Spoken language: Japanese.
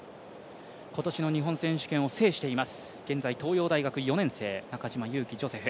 今年の日本選手権を制しています、現在東洋大学４年生、中島佑気ジョセフ。